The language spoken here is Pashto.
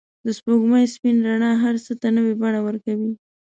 د سپوږمۍ سپین رڼا هر څه ته نوی بڼه ورکوي.